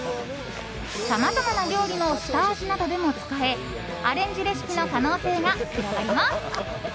さまざまな料理の下味などでも使えアレンジレシピの可能性が広がります。